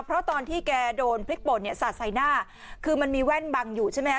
เพราะตอนที่แกโดนพริกป่นเนี่ยสาดใส่หน้าคือมันมีแว่นบังอยู่ใช่ไหมค